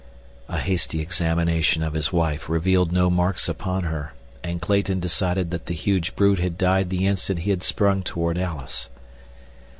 A hasty examination of his wife revealed no marks upon her, and Clayton decided that the huge brute had died the instant he had sprung toward Alice.